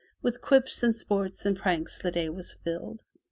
With quips and sports and pranks the day was filled.